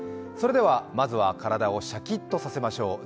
まずは体をシャキッとさせましょう。